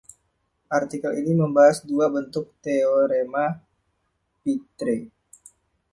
Artikel ini membahas dua bentuk teorema Peetre.